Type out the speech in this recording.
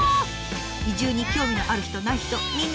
移住に興味のある人ない人みんな見て！